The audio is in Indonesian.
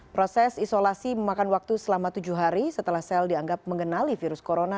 proses isolasi memakan waktu selama tujuh hari setelah sel dianggap mengenali virus corona